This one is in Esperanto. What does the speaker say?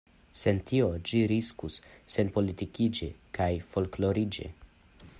Sen tio, ĝi riskus senpolitikiĝi kaj folkloriĝi.